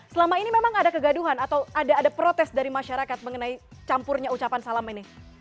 selama ini memang ada kegaduhan atau ada protes dari masyarakat mengenai campurnya ucapan salam ini